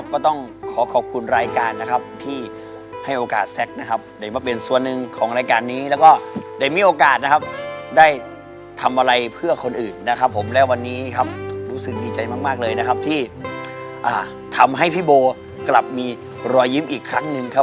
ขอบคุณคุณแซคมากนะครับที่ว่าทำให้ครอบครัวของโบมีรอยยิ้มกลับมาอีกครั้งนึงค่ะ